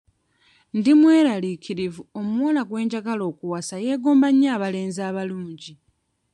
Ndi mweraliikirivu omuwala gwe njagala okuwasa yeegomba nnyo abalenzi abalungi.